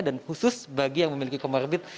dan khusus bagi yang memiliki komorbid